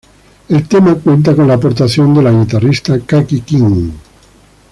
El tema cuenta con la aportación de la guitarrista Kaki King.